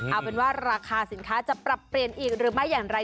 เอาเป็นว่าราคาสินค้าจะปรับเปลี่ยนอีกหรือไม่อย่างไร